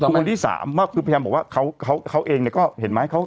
คุณคนนี้สามแพมบอกว่าเขาเองเนี่ยก็เห็นไหม